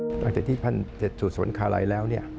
มาตั้งแต่ที่ที่ที่ศูนย์สวรรคาไลน์แล้ว